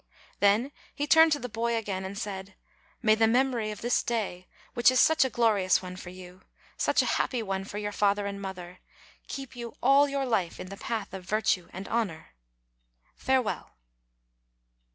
Then he turned to the boy again, and said: "May the memory of this day, which is such a glorious one for you, such a happy one for your father and mother, keep you all your life in the path of virtue and honor! Farewell